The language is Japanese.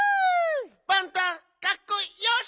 パンタかっこよし！